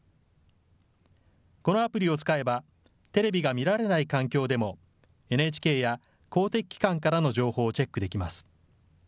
このアプリを使えば、テレビが見られない環境でも、ＮＨＫや公的機関からの情報をチェックできます。